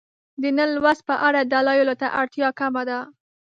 د نه لوست په اړه دلایلو ته اړتیا کمه ده.